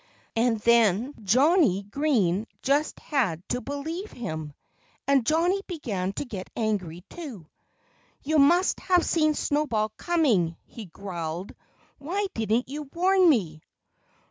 And then Johnnie Green just had to believe him. And Johnnie began to get angry, too. "You must have seen Snowball coming," he growled. "Why didn't you warn me?"